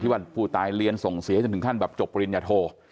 ว่าผู้ตายเรียนส่งเสียจนถึงขั้นแบบจบปริญญาโท